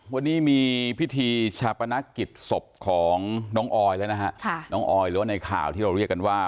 วันนี้มีพิธีชาปนกิจศพของน้องออยแล้วนะฮะน้องออยหรือว่าในข่าวที่เราเรียกกันว่า